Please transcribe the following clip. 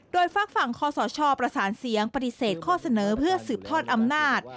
โดยฝากฝั่งคอสชประสานเสียงปฏิเสธข้อเสนอเพื่อสืบทอดอำนาจ